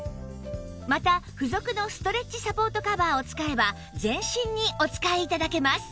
また付属のストレッチサポートカバーを使えば全身にお使い頂けます